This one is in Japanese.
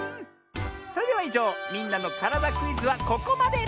それではいじょう「みんなのからだクイズ」はここまで！